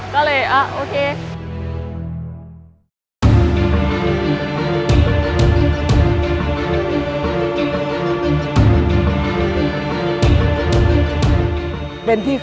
ก็เลยโอเค